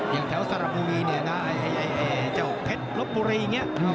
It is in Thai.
อย่างแถวสรรพุรีเนี่ยนะไอ้เจ้าเพชรพุรีอย่างเงี้ย